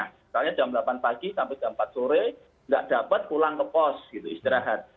misalnya jam delapan pagi sampai jam empat sore nggak dapat pulang ke pos gitu istirahat